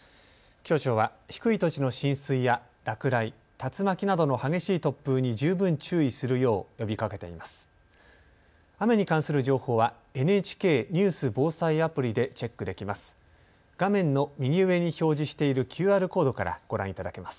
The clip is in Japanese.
気象庁は低い土地の浸水や落雷、竜巻などの激しい突風に十分注意するよう呼びかけています。